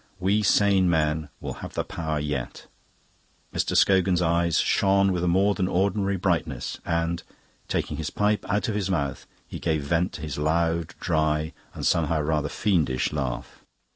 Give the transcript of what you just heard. We sane men will have the power yet." Mr. Scogan's eyes shone with a more than ordinary brightness, and, taking his pipe out of his mouth, he gave vent to his loud, dry, and somehow rather fiendish laugh.